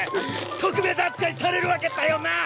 特別扱いされるわけだよなあ！